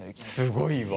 すごいわ。